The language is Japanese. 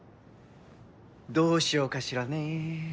どうしようかしらね。